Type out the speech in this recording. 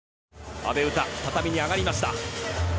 阿部詩、畳に上がりました。